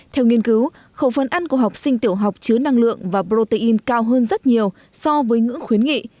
theo nghiên cứu khẩu phân ăn của học sinh tiểu học chứa năng lượng và protein cao hơn rất nhiều so với ngưỡng khuyến nghị